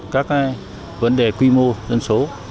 các vấn đề quy mô dân số